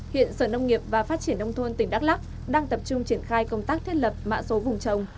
hiện sở nông nghiệp và phát triển nông thôn tỉnh đắk lắc đang tập trung triển khai công tác thiết lập mạ số vùng trồng